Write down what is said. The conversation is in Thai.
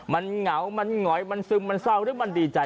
มันเหงามันหงอยมันซึมมันเศร้าหรือมันดีใจ